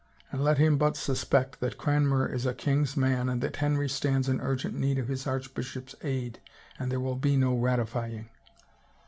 And let him but suspect that Cranmer is a king's man and that Henry stands in urgent need of his archbishop's aid and there will be no ratifying."